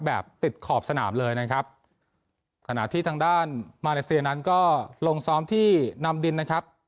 แบบติดขอบสนามเลยนะครับขณะที่ทางด้านมาเลเซียนั้นก็ลงซ้อมที่นำดินนะครับ